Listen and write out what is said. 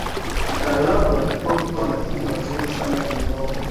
mtaalamu anatakiwa kutoa majibu mazuri sana yenye maoni